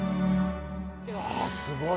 ああ、すごい。